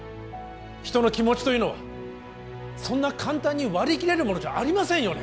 人の気持ちというのはそんな簡単に割り切れるものじゃありませんよね